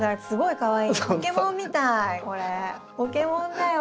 かわいい！